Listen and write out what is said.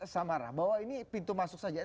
sama lah bahwa ini pintu masuk saja